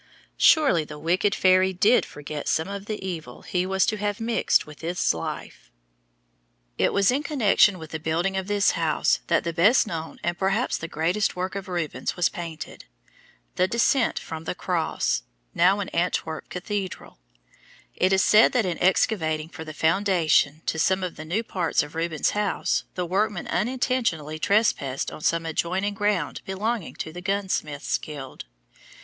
Surely the wicked fairy did forget some of the evil he was to have mixed with this life! [Illustration: PORTRAIT OF A YOUNG WOMAN Rubens (Hermitage, St. Petersburg)] It was in connection with the building of this house that the best known and perhaps the greatest work of Rubens was painted: "The Descent from the Cross," now in Antwerp Cathedral. It is said that in excavating for the foundation to some of the new parts of Rubens' house, the workmen unintentionally trespassed on some adjoining ground belonging to the gunsmiths' guild.